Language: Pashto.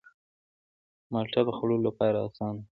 مالټه د خوړلو لپاره آسانه ده.